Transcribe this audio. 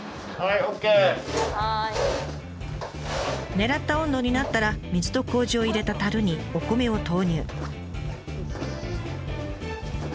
狙った温度になったら水とこうじを入れた樽にお米を投入。